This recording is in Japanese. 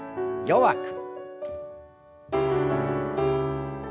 弱く。